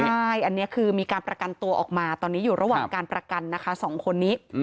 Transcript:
ใช่อันนี้คือมีการประกันตัวออกมาตอนนี้อยู่ระหว่างการประกันนะคะ๒คนนี้